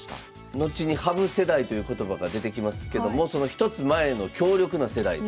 後に羽生世代という言葉が出てきますけどもその一つ前の強力な世代ということですね。